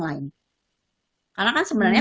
lain karena kan sebenarnya